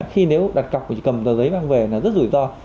khi nếu đặt cọc thì cầm tờ giấy vang về là rất rủi ro